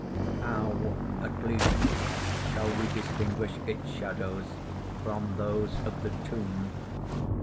How at least shall we distinguish its shadows from those of the tomb?